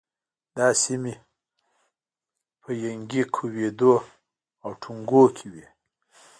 دا سیمې په ینګی، کویدو او ټونګو کې وې.